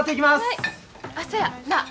あそやなあ。